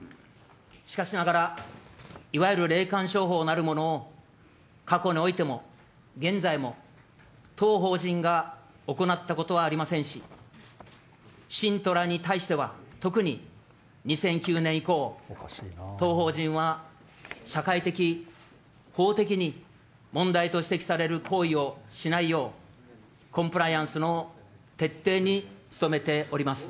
しかしながら、いわゆる霊感商法なるものを、過去においても、現在も、当法人が行ったことはありませんし、信徒らに対しては特に２００９年以降、当法人は社会的、法的に、問題と指摘される行為をしないよう、コンプライアンスの徹底に努めております。